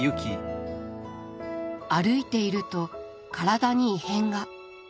歩いていると体に異変が。